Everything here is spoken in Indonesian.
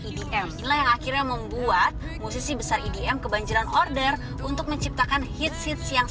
idm inilah yang akhirnya membuat musisi besar idm kebanjuan order untuk menciptakan hits hit siang